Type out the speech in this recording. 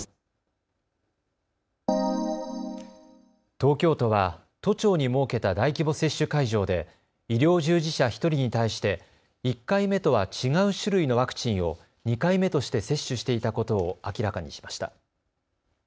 東京都は都庁に設けた大規模接種会場で医療従事者１人に対して１回目とは違う種類のワクチンを２回目として接種していたことを明らかにしました。